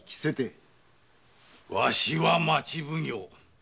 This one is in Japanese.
わしは町奉行。